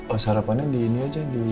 oh sarapannya di ini aja